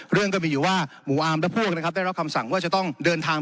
เรื่องก็มีอยู่ว่าหมู่อาร์มและพวกนะครับได้รับคำสั่งว่าจะต้องเดินทาง